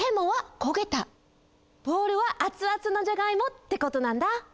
ボールはあつあつのじゃがいもってことなんだ。